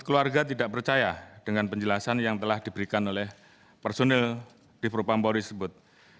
keluarga tidak percaya dengan penjelasan yang telah diberikan oleh personil di propampori tersebut